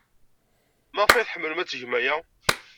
Maɣef ay tḥemmlem ad tgem aya?